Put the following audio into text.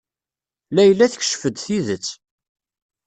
Layla tekcef-d tidet.